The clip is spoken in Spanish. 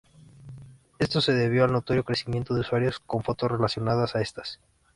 Esto se debió al notorio crecimiento de usuarios con fotos relacionadas a estas.